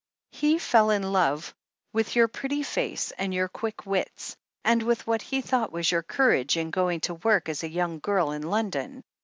He fell in love with your pretty face and your quick wits, and with what he thought was your courage in going to work, as a young girl, in London.